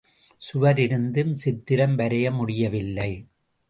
சுவர் இருந்தும் சித்திரம் வரைய முடியவில்லை.